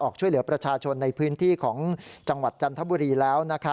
ช่วยเหลือประชาชนในพื้นที่ของจังหวัดจันทบุรีแล้ว